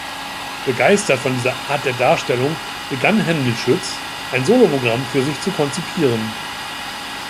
Begeistert von dieser Art der Darstellung, begann Hendel-Schütz, ein Soloprogramm für sich zu konzipieren.